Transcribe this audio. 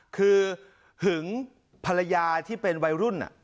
คือหึงภรรยาที่เป็นวัยรุ่น